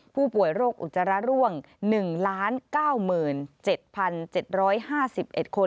ผู้ป่วยโรคอุจจาระร่วง๑๙๗๗๕๑คน